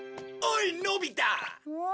おいのび太！